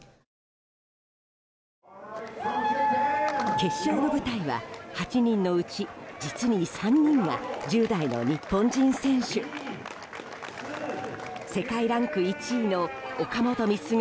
決勝の舞台は８人のうち実に３人が１０代の日本人選手。